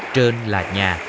trên là nhà